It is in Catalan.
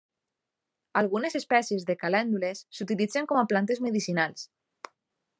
Algunes espècies de calèndules s'utilitzen com a plantes medicinals.